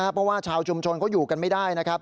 เพราะว่าชาวชุมชนก็อยู่กันไม่ได้